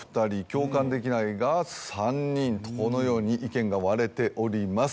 共感できないが３人とこのように意見が割れております。